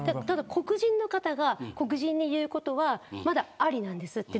ただ黒人の方が黒人に言うことはまだありなんです